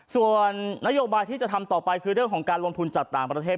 ส่วนนโยบายที่จะทำต่อไปคือเรื่องของการลงทุนจากต่างประเทศ